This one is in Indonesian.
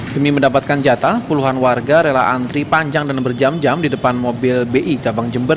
demi mendapatkan jatah puluhan warga rela antri panjang dan berjam jam di depan mobil bi cabang jember